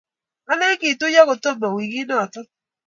kolin kituiyo kutoma wikit nito